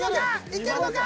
いけるのか！？